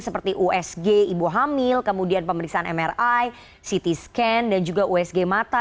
seperti usg ibu hamil kemudian pemeriksaan mri ct scan dan juga usg mata